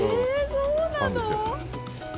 そうなの？